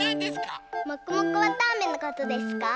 もくもくわたあめのことですか？